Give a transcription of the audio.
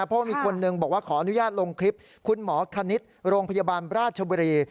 เพราะว่ามีคนหนึ่งบอกว่าขออนุญาตลงคลิปคุณหมอคณิตโรงพยาบาลราชบุรี